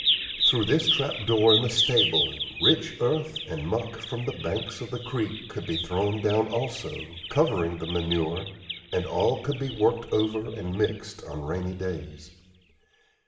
Through this trap door in the stable rich earth and muck from the banks of the creek could be thrown down also, covering the manure, and all could be worked over and mixed on rainy days.